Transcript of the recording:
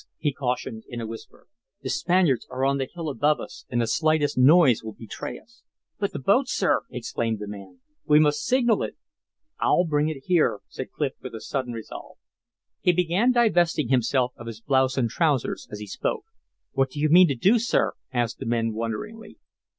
he cautioned, in a whisper. "The Spaniards are on the hill above us and the slightest noise will betray us." "But the boat, sir!" exclaimed the man. "We must signal it." "I'll bring it here," said Clif, with a sudden resolve. He began divesting himself of his blouse and trousers as he spoke. "What do you mean to do, sir?" asked the men, wonderingly.